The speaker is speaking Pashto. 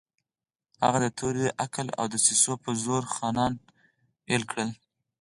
هغه د تورې، عقل او دسیسو په زور خانان اېل کړل.